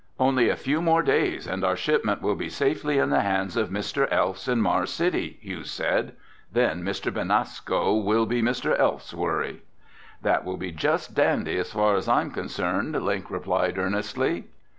"Only a few more days and our shipment will be safely in the hands of Mr. Elfs in Mars City," Hugh said. "Then Mr. Benasco will be Mr. Elfs's worry." "That will be just dandy as far as I'm concerned," Link replied earnestly.